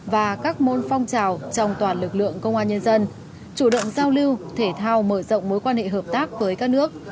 và các môn phong trào trong toàn lực lượng công an nhân dân chủ động giao lưu thể thao mở rộng mối quan hệ hợp tác với các nước